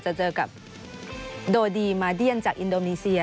จะเจอกับโดดีมาเดียนจากอินโดนีเซีย